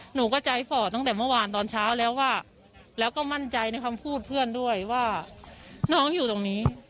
หนูก็ใจฝ่อตั้งแต่เมื่อวานตอนเช้าแล้วว่าแล้วก็มั่นใจในคำพูดเพื่อนด้วยว่าน้องอยู่ตรงนี้